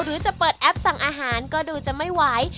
หรือจะเปิดแอปสั่งอาหารก็ดูจะไม่ไหว